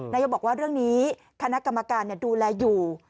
นายกบอกว่าเรื่องนี้คณะกรรมการดูแลอยู่